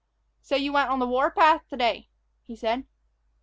"So you went on the war path to day?" he said.